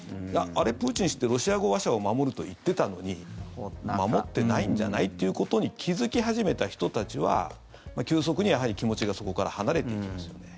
プーチン氏ってロシア語話者を守ると言ってたのに守ってないんじゃない？ということに気付き始めた人たちは急速に気持ちがそこから離れていきますよね。